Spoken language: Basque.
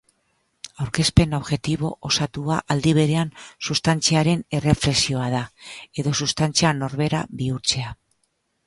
Aurkezpen objektibo osatua aldi berean substantziaren erreflexioa da, edo substantzia norbera bihurtzea.